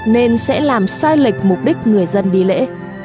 nên sẽ làm sai lệch mục đích người dân đi lễ